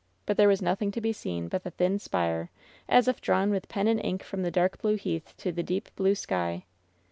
But there was nothing to be seen but the thin spire, as if drawn with pen and ink from the dark blue heath to the deep blue sky.